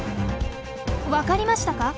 分かりましたか？